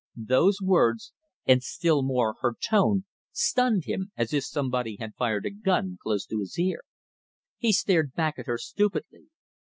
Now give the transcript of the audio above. Those words, and still more her tone, stunned him as if somebody had fired a gun close to his ear. He stared back at her stupidly.